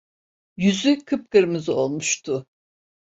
Yüzü kıpkırmızı olmuştu.